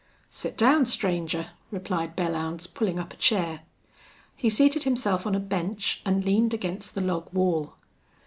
"Set down, stranger," replied Belllounds, pulling up a chair. He seated himself on a bench and leaned against the log wall.